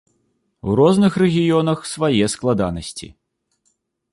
У розных рэгіёнах свае складанасці.